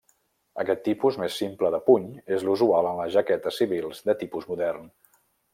Aquest tipus més simple de puny és l'usual en les jaquetes civils de tipus modern.